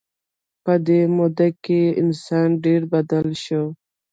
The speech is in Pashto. په دې موده کې انسان ډېر بدل شو.